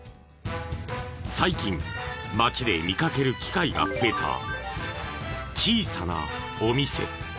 最近街で見かける機会が増えた小さなお店。